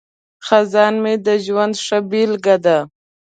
خزان مې د ژوند ښه بیلګه ده.